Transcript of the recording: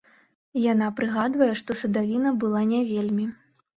Яны прыгадвае, што садавіна была не вельмі.